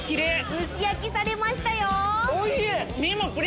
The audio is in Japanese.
蒸し焼きされましたよ。